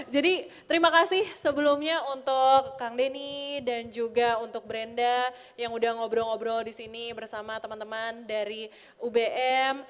jadi terima kasih sebelumnya untuk kang denny dan juga untuk brenda yang udah ngobrol ngobrol disini bersama teman teman dari ubm